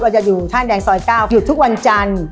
เราจะอยู่ท่าแดงซอย๙หยุดทุกวันจันทร์